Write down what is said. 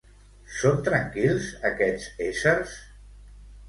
Són tranquils aquests éssers?